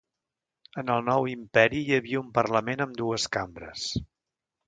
En el nou imperi hi havia un parlament amb dues cambres.